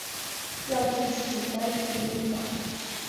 要去自己该去的地方